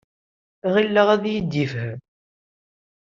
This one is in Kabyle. Ɣileɣ ad iyi-d-yefhem.